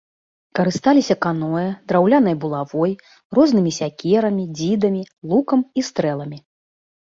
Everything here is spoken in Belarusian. Карысталіся каноэ, драўлянай булавой, рознымі сякерамі, дзідамі, лукам і стрэламі.